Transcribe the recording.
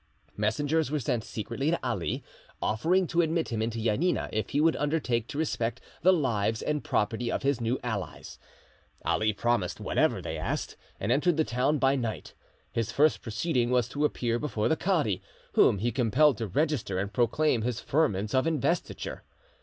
Messengers were sent secretly to Ali, offering to admit him into Janina if he would undertake to respect the lives and property of his new allies. Ali promised whatever they asked, and entered the town by night. His first proceeding was to appear before the cadi, whom he compelled to register and proclaim his firmans of investiture.